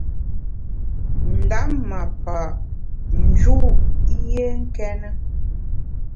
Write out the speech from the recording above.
Ndap ma pa’ nju’ yié nkéne.